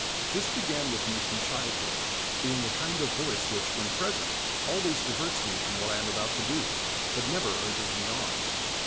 'ri:is began with me from childhood, be ing a kind of voice which, when present, always div' i 1s m<' fi'om what I am about to do, ])u. never nrgi's ine on.